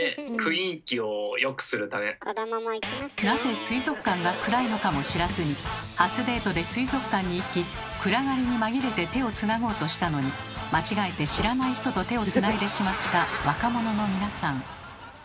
なぜ水族館が暗いのかも知らずに初デートで水族館に行き暗がりに紛れて手をつなごうとしたのに間違えて知らない人と手をつないでしまった若者の皆さん。